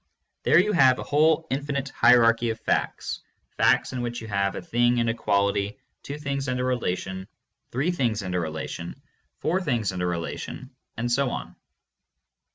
There you have a whole in finite hierarchy of facts, — facts in which you have a thing and a quality, two things and a relation, three things and a relation, four things and a relation, and so on.